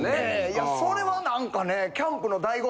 いやそれは何かね。